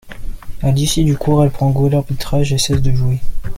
À l’issue du cours, elle prend goût à l’arbitrage et cesse de jouer.